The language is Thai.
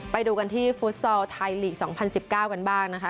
ไปดูกันที่ฟุตซอลไทยลีก๒๐๑๙กันบ้างนะคะ